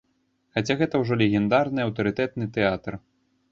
Хаця гэта ўжо легендарны, аўтарытэтны тэатр.